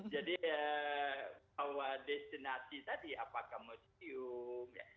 jadi bahwa destinasi tadi apakah museum